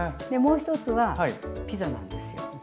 でもう一つはピザなんですよ。